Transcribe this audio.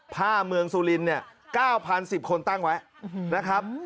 ผ้าเมืองสุรินเนี่ย๙๐๑๐คนตั้งไว้นะครับ